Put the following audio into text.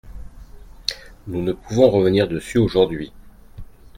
Nous ne pouvons revenir dessus aujourd’hui.